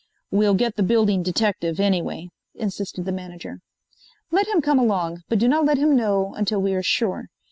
"We'll get the building detective, anyway," insisted the manager. "Let him come along, but do not let him know until we are sure.